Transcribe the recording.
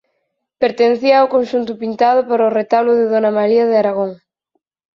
Pertencía ao conxunto pintado para o retablo de dona María de Aragón.